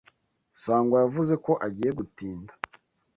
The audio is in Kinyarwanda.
Sangwa yavuze ko agiye gutinda.